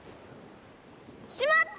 しまった！